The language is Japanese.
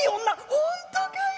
「ほんとかよ。